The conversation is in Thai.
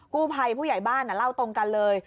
ผู้ใหญ่บ้านเล่าตรงกันเลย